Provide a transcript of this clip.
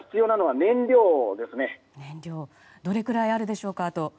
燃料、あとどれくらいあるでしょうか。